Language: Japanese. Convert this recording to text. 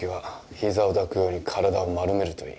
膝を抱くように体を丸めるといい